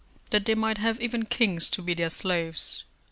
["That they might have even kings to be their slaves."